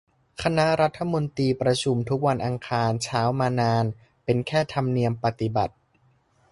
คณะรัฐมนตรี ประชุมทุกวันอังคารเช้ามานาน เป็นแค่ธรรมเนียมปฏิบัติ